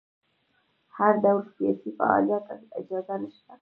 د هر ډول سیاسي فعالیت اجازه نشته.